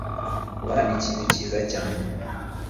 Kubara ni ikintu cyiza cyane.